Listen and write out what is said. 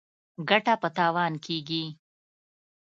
ـ ګټه په تاوان کېږي.